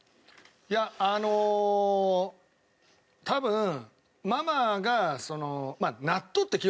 いやあの多分ママが。